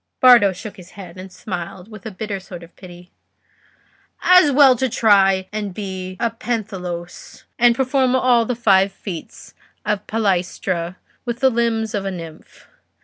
Bardo shook his head, and smiled with a bitter sort of pity. "As well try to be a pentathlos and perform all the five feats of the palaestra with the limbs of a nymph.